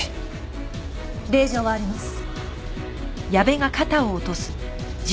令状はあります。